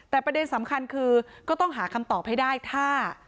แต่ประเด็นสำคัญคือก็ต้องหาคำตอบให้ได้ถ้า